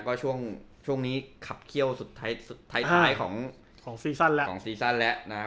ก็ช่วงช่วงนี้ขับเขี้ยวสุดท้ายสุดท้ายของของและของและนะฮะ